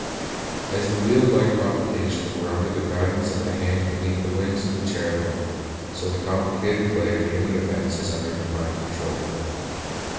As the wheel like complications were under the guidance of the hand beneath the wings of the cheru bim, so the complicated play of human events is under divine control.